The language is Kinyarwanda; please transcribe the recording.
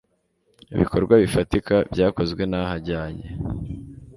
w ibikorwa bifatika byakozwe naho ajyanye